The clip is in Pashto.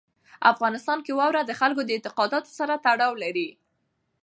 افغانستان کې واوره د خلکو د اعتقاداتو سره تړاو لري.